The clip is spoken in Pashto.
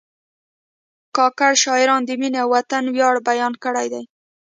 کاکړ شاعرانو د مینې او وطن ویاړ بیان کړی دی.